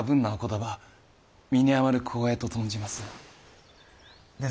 葉身に余る光栄と存じます。